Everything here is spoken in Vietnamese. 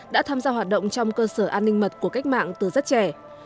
đã tham gia hoạt động trong cơ sở an ninh mật của cách mạng từ rất trẻ